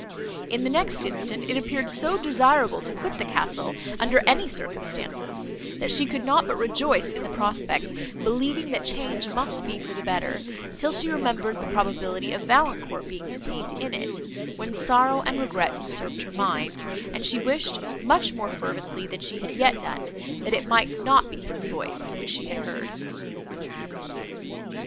In the next instant, it appeared so desirable to quit the castle, under any circumstances, that she could not but rejoice in the prospect, believing that change must be for the better, till she remembered the probability of Valancourt being detained in it, when sorrow and regret usurped her mind, and she wished, much more fervently than she had yet done, that it might not be his voice which she had heard.